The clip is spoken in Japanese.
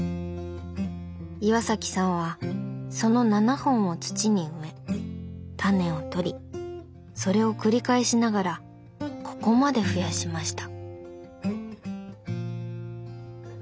岩さんはその７本を土に植えタネをとりそれを繰り返しながらここまで増やしました。